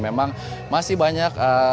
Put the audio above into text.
memang masih banyak ee